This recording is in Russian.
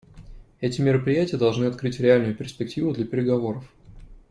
Эти мероприятия должны открыть реальную перспективу для переговоров.